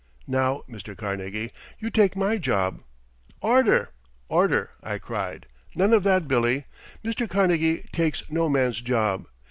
Now, Mr. Carnegie, you take my job " "Order, order!" I cried. "None of that, Billy. Mr. Carnegie 'takes no man's job.'